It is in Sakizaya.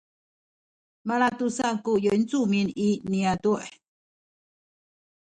malatusa ku yincumin i niyazu’